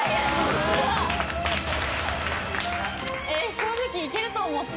正直いけると思った。